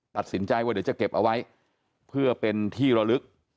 ตัดสินใจว่าเดี๋ยวจะเก็บเอาไว้เพื่อเป็นที่ระลึก